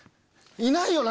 いないよな？